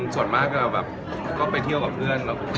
ส่วนมากก็ไปเที่ยวกับเพื่อน